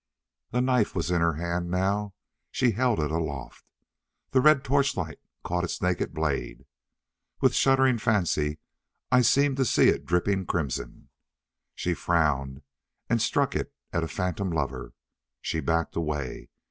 A knife was in her hand now. She held it aloft. The red torchlight caught its naked blade. With shuddering fancy I seemed to see it dripping crimson. She frowned, and struck it at a phantom lover. She backed away.